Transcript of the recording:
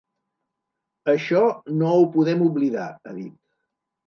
Això no ho podem oblidar, ha dit.